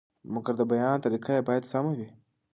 مګر د بیان طریقه یې باید سمه وي.